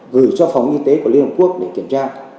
gửi cho phòng y tế của liên hợp quốc để kiểm tra